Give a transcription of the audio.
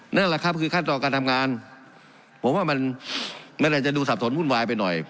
นั่นแหละครับคือขั้นตอนการทำงานผมว่ามันอาจจะดูสับสนวุ่นวายไปหน่อย